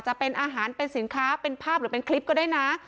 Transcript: จะเป็นอาหารเป็นสินค้าเป็นภาพหรือเป็นคลิปก็ได้นะ